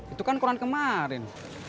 itu kan koran kemarin